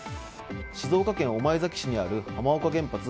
静岡県御前崎市にある浜岡原発